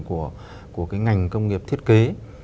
của cái ngành công nghiệp thiết kế